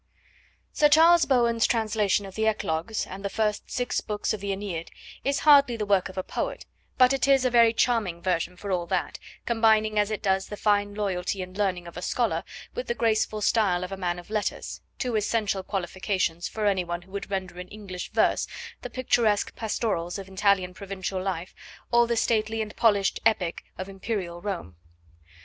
Sir Charles Bowen's translation of the Eclogues and the first six books of the AEneid is hardly the work of a poet, but it is a very charming version for all that, combining as it does the fine loyalty and learning of a scholar with the graceful style of a man of letters, two essential qualifications for any one who would render in English verse the picturesque pastorals of Italian provincial life, or the stately and polished epic of Imperial Rome.